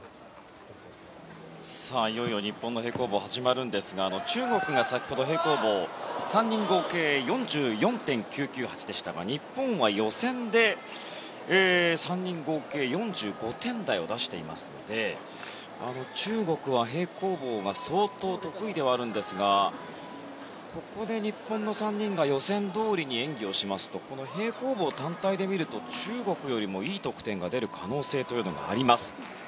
いよいよ日本の平行棒が始まるんですが中国が先ほど平行棒、３人合計で４４．９９８でしたが日本は予選で３人合計４５点台を出していますので中国は平行棒が相当、得意ではあるんですがここで日本の３人が予選どおりに演技をしますと平行棒単体で見ますと中国よりもいい得点が出る可能性があります。